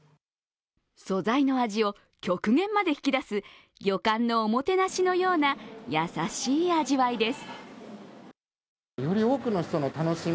素材の味を極限まで引き出す旅館のおもてなしのような優しい味わいです。